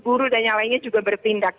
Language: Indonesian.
guru dan yang lainnya juga bertindak